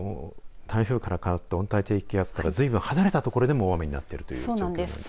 台風から変わって温帯低気圧から離れた所でも大雨になっている状況ですね。